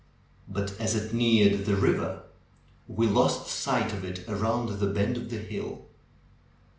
But as it neared the river we lost sight of it around the bend of the hill.